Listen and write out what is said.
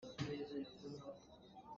Yangon cu Kawlram khuapi a si.